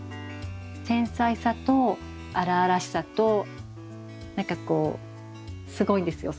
繊細さと荒々しさと何かこうすごいんですよ